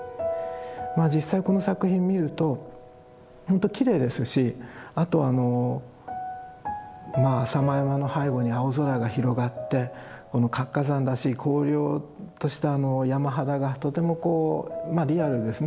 まあ実際この作品見ると本当きれいですしあと浅間山の背後に青空が広がってこの活火山らしい荒涼としたあの山肌がとてもこうリアルですね